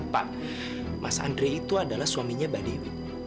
pak mas andre itu adalah suaminya mbak dewi